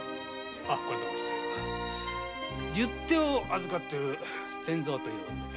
十手を預かっておる仙蔵という者で。